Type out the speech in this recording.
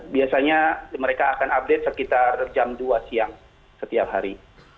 biasanya mereka akan update sekitar jam dua siang setiap hari